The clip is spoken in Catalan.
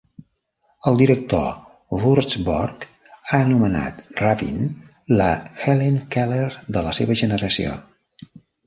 El director Wurzburg ha anomenat Rubin la Helen Keller de la seva generació.